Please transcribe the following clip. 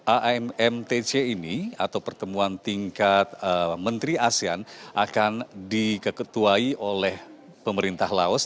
ammtc ini atau pertemuan tingkat menteri asean akan dikeketuai oleh pemerintah laos